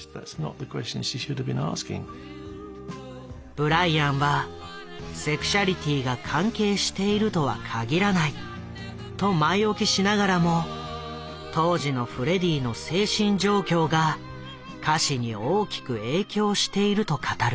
ブライアンはセクシャリティーが関係しているとは限らないと前置きしながらも当時のフレディの精神状況が歌詞に大きく影響していると語る。